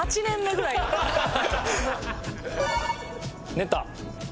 寝た？